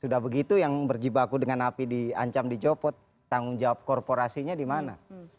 sudah begitu yang berjibaku dengan api di ancam di jopo tanggung jawab korporasinya di mana